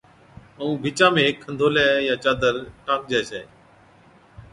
ائُون بچا ۾ ھيڪ کنڌولي يان چادر ٽانڪجي ڇَي